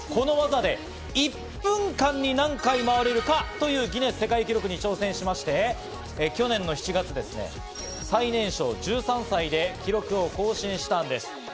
冬妃さん、この技で１分間に何回まわれるかというギネス世界記録に挑戦しまして、去年７月、最年少１３歳で記録を更新したんです。